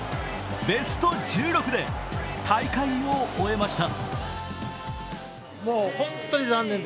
ベスト１６で大会を終えました。